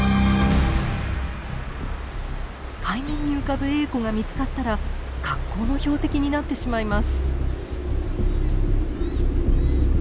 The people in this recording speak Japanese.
海面に浮かぶエーコが見つかったら格好の標的になってしまいます。